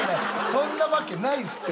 そんなわけないですって！